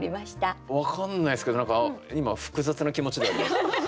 分かんないですけど何か今複雑な気持ちではあります。